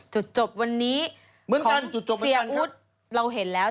จุดจบวันนี้เหมือนกันจุดจบเหมือนกันของเสียอุ๊ดเราเห็นแล้ว